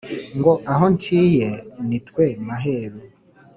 ngo aho nciye nitwe maheru